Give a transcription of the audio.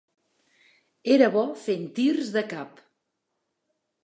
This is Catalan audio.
Era bo fent tirs de cap.